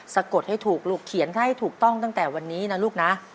สะกดให้ถูกลูกเขียนให้ถูกต้องตั้งแต่วันนี้นะลูกนะ